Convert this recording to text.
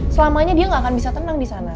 selamanya dia nggak akan bisa tenang di sana